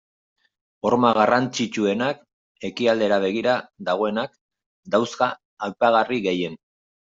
Horma garrantzitsuenak, ekialdera begira dagoenak, dauzka apaingarri gehien.